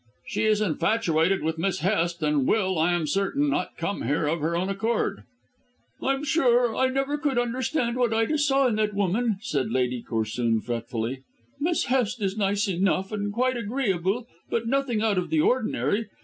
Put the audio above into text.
"She is infatuated with Miss Hest and will, I am certain, not come here of her own accord." "I'm sure I never could understand what Ida saw in that woman," said Lady Corsoon fretfully. "Miss Hest is nice enough and quite agreeable, but nothing out of the ordinary.